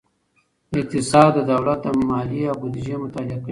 اقتصاد د دولت مالیې او بودیجه مطالعه کوي.